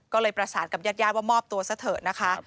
ก็เลยประสานกับญาติญาติว่ามอบตัวซะเถอะนะคะ